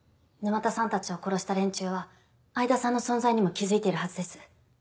沼田さんたちを殺した連中は相田さんの存在にも気付いているはずです。